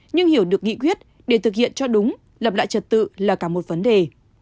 nhưng hiểu được nghị quyết để thực hiện cho đúng lập lại trật tự là cả một vấn đề